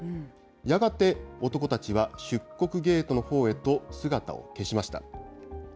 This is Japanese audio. やがて男たちは出国ゲートのほうへと姿を消しました。